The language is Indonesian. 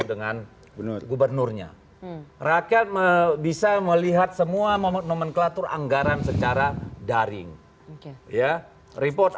dengan benar gubernurnya rakyat me bisa melihat semua momenklatur anggaran secara daring ya report